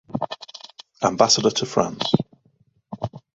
Ambassador to France.